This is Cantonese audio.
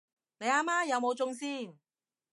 你阿媽有冇中先？